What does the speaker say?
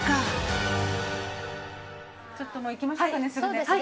ちょっともういきましょうかねすぐね。